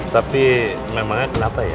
tapi memangnya kenapa ya